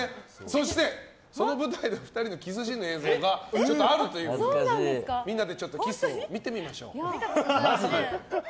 そして、その舞台での２人のキスシーンの映像があるということでみんなでキスを見てみましょう。